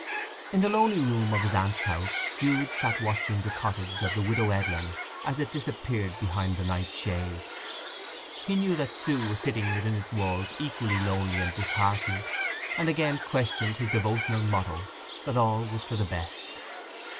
In the lonely room of his aunt's house, Jude sat watching the cottage of the Widow Edlin as it disappeared behind the night shade. He knew that Sue was sitting within its walls equally lonely and disheartened; and again questioned his devotional motto that all was for the best.